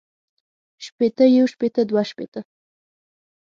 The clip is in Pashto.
شپېتۀ يو شپېته دوه شپېته